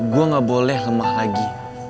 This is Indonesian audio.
gue gak boleh lemah lagi